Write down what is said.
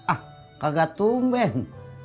ah kagak tumben